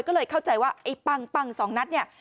ก็เลยเข้าใจว่าไอ้ปั้งสองนัดเนี่ย